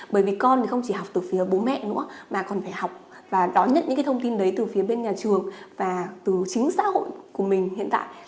bởi vì con thì không chỉ học từ phía bố mẹ nữa mà còn phải học và đón nhận những cái thông tin đấy từ phía bên nhà trường và từ chính xã hội của mình hiện tại